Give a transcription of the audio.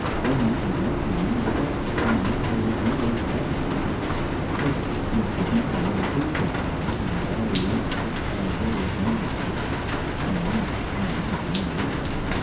Clemens at one time developed a plan for a Noah's Ark book, which was to detail the cruise of the Ark in diaries kept by various members of it Shem, Ham, and the others.